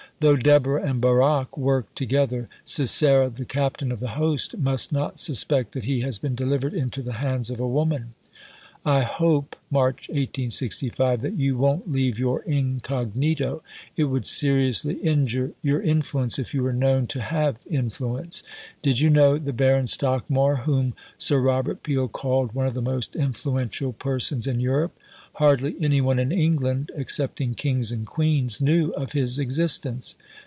Though Deborah and Barak work together, Sisera the Captain of the Host must not suspect that he has been delivered into the hands of a woman." "I hope" (March 1865) "that you won't leave your incognito. It would seriously injure your influence if you were known to have influence. (Did you know the Baron Stockmar whom Sir Robert Peel called one of the most influential persons in Europe? Hardly any one in England excepting Kings and Queens knew of his existence.